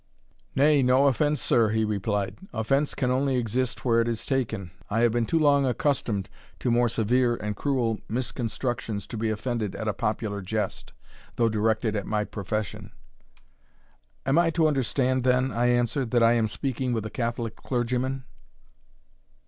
"Nay, no offence, sir," he replied; "offence can only exist where it is taken. I have been too long accustomed to more severe and cruel misconstructions, to be offended at a popular jest, though directed at my profession." "Am I to understand, then," I answered, "that I am speaking with a Catholic clergyman?"